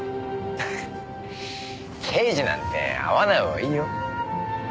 刑事なんて会わないほうがいいよ。